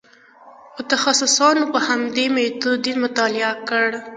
متخصصانو په همدې میتود دین مطالعه کړ.